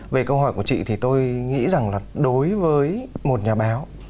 về câu hỏi của chị thì tôi nghĩ rằng là đối với một nhà báo